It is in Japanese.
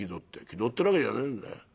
「気取ってるわけじゃねえんだよ。